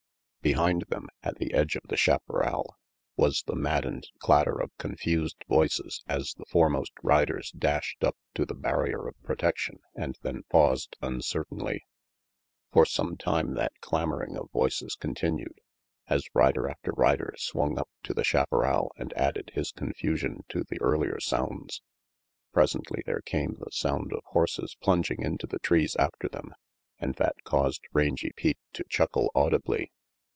Behind them, at the edge of the chaparral, was the maddened clatter of confused voices as the fore most riders dashed up to the barrier of protection and then paused uncertainly. For some time that clamoring of voices continued, as rider after rider swung up to the chaparral and added his confusion 146 RANGY PETE +v,fl, to the earlier sounds. Presently there came the sound of horses plunging into the trees after them, and that caused Rangy Pete to chuckle audibly.